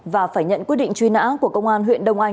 và phải nhận quyết định truy nã của công an huyện đông anh